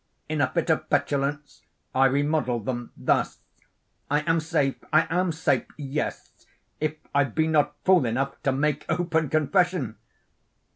In a fit of petulance, I remodelled them thus: "I am safe—I am safe—yes—if I be not fool enough to make open confession!"